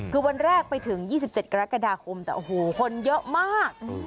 คือวันแรกไปถึง๒๗กรกฎาคมแต่โอ้โหคนเยอะมาก